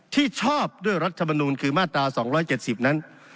ที่ชอบด้วยรัฐมนูลคือมาตรา๒๗๐นั้น